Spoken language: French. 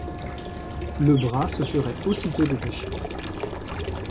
Le bras se serait aussitôt détaché.